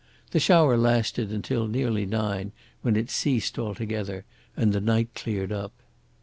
The shower lasted until nearly nine, when it ceased altogether and the night cleared up.